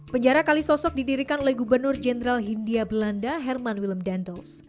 penjara kalisosok didirikan oleh gubernur jenderal hindia belanda herman willem dendels